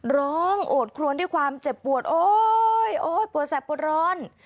ร้องโอดครวนด้วยความเจ็บปวดโอ๊ยโอ๊ยปวดแสบปวดร้อน